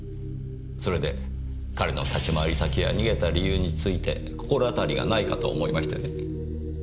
それで彼の立ち回り先や逃げた理由について心当たりがないかと思いましてね。